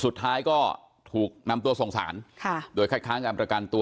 สุดท้ายก็ถูกนำตัวส่งสารโดยคัดค้างการประกันตัว